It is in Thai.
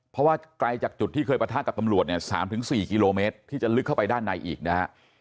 เพราะว่าไกลจากจุดที่เคยประทะกับตำรวจเนี่ย๓๔กิโลเมตรที่จะลึกเข้าไปด้านในอีกนะฮะ